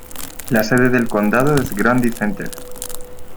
La sede del condado es Grundy Center.